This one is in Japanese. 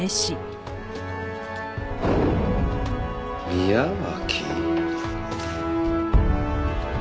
宮脇？